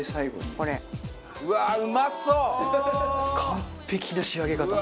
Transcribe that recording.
完璧な仕上げ方。